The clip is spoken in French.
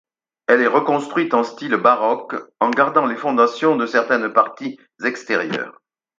Elle est reconstruite en style baroque en gardant les fondations et certaines parties extérieures.